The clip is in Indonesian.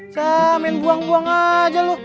sama sama buang buang aja lu